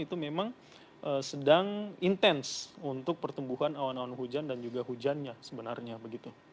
itu memang sedang intens untuk pertumbuhan awan awan hujan dan juga hujannya sebenarnya begitu